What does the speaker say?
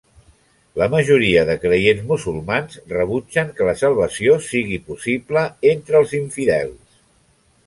La majoria de creients musulmans rebutgen que la salvació sigui possible entre els infidels.